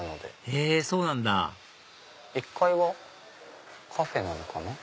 へぇそうなんだ１階はカフェなのかな。